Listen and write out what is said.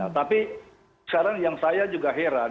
tapi sekarang yang saya juga heran